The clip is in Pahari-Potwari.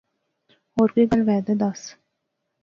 ہور کوئی گل وے دے دس